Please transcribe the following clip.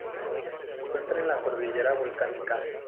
Se encuentra en la Cordillera Volcánica.